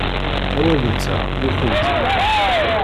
Awal-nteɣ, nekkenti.